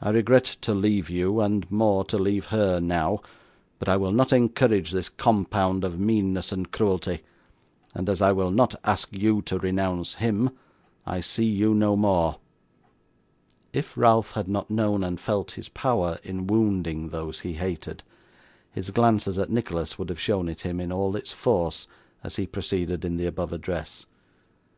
I regret to leave you, and more to leave her, now, but I will not encourage this compound of meanness and cruelty, and, as I will not ask you to renounce him, I see you no more.' If Ralph had not known and felt his power in wounding those he hated, his glances at Nicholas would have shown it him, in all its force, as he proceeded in the above address.